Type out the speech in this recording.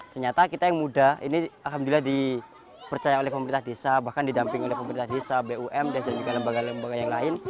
ternyata kita yang muda ini alhamdulillah dipercaya oleh pemerintah desa bahkan didamping oleh pemerintah desa bum dan juga lembaga lembaga yang lain